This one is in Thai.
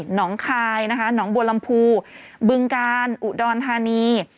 หนองคายนะคะหนองบัวลำพูบึงกาลอุดรธานี